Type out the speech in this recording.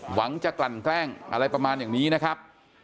หวังจะกลั่นแกล้งอะไรประมาณอย่างนี้นะครับ